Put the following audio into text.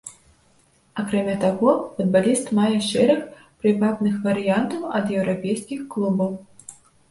Акрамя таго, футбаліст мае шэраг прывабных варыянтаў ад еўрапейскіх клубаў.